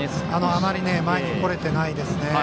あまり前に来れてないです。